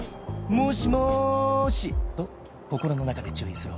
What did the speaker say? もしもしと心の中で注意する